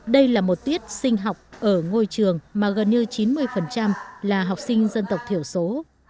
đây là một tiết sinh học ở ngôi trường mà gần như chín mươi là học sinh dân tộc thiểu số